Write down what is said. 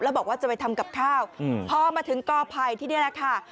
แล้วบอกว่าจะไปทำกับข้าวพอมาถึงกอภัยที่นี่แหละค่ะ